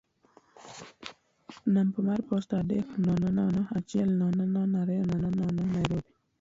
namba mar posta adek nono nono achiel nono nono ariyo nono nono Nairobi.